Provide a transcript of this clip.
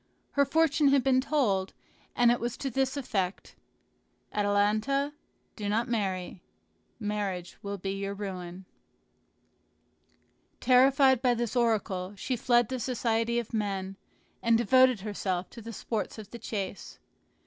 Her fortune had been told, and it was to this effect: "Atalanta, do not marry; marriage will be your ruin." Terrified by this oracle, she fled the society of men, and devoted herself to the sports of the chase.